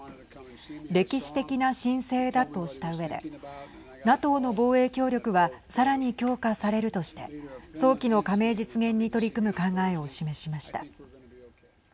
歴史的な申請だとしたうえでＮＡＴＯの防衛協力はさらに強化されるとして早期の加盟実現に取り組む考えを示しました。